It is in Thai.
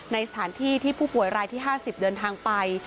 ในสถานที่ที่ผู้ป่วยรายที่๕๐เดินทางไป